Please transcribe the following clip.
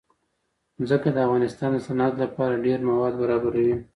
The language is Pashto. ځمکه د افغانستان د صنعت لپاره ډېر مواد برابروي.